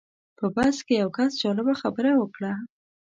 په بس کې یو کس جالبه خبره وکړه.